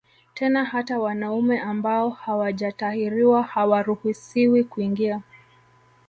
Tena hata wanaume ambao hawajatahiriwa hawaruhusiwi kuingia